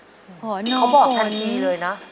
ฝนฝนครับเขาบอกแถมนี้เลยนะ